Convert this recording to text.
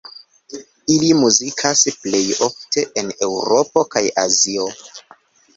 Ili muzikas plej ofte en Eŭropo kaj Azio.